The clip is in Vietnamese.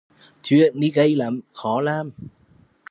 Chuyện ni gay lắm, khó làm